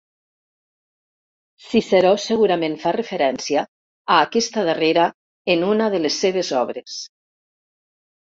Ciceró segurament fa referència a aquesta darrera, en una de les seves obres.